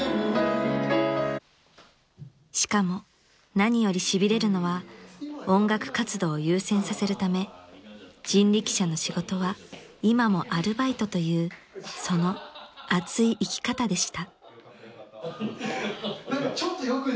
［しかも何よりしびれるのは音楽活動を優先させるため人力車の仕事は今もアルバイトというその熱い生き方でした］